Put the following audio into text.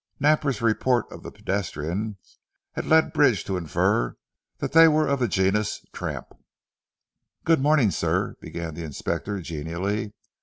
Napper's report of the pedestrians had led Bridge to infer that they were of the genus "tramp." "Good morning sir," began the Inspector genially.